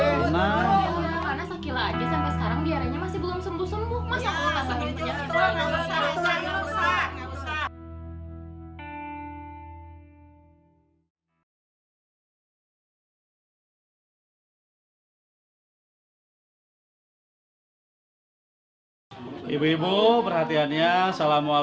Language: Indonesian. karena sakila aja sampai sekarang diaranya masih belum sembuh sembuh